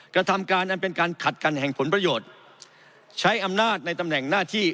กระทำการอันเป็นการขัดกันแห่งผลประโยชน์ใช้อำนาจในตำแหน่งหน้าที่